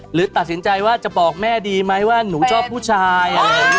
หรือตัดสินใจว่าจะบอกแม่ดีไหมว่าหนูชอบผู้ชาย